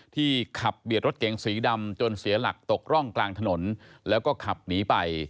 ขับเบียดรถเก๋งสีดำจนเสียหลักตกร่องกลางถนนแล้วก็ขับหนีไป